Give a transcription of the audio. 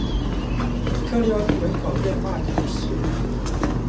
克利翁人口变化图示